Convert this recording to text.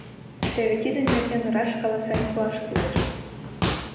Теве тидын нерген раш каласен пуаш кӱлеш.